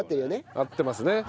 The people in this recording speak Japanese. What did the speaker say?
合ってますね。